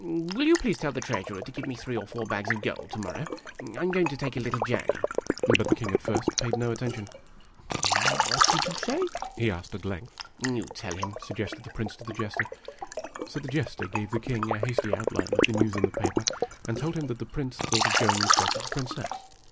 Will you please tell the treasurer to give me three or four bags of gold to morrow ? I 'm going to take a little journey." "HIS MAJESTY COURAGEOUSLY JUMPED OVERBOARD AND WADED ASHORE." 133 IMAGINOTIONS But the King at first paid no attention. " What did you say ?" he asked, at length. " You tell him,' suo ^ested the Prince to the Tester. <_><_> J So the Jester gave the King a hasty outline of the news in the paper, and told him that the Prince thought of going in search of the Princess.